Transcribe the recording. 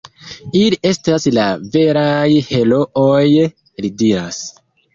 Ili estas la veraj herooj, li diras.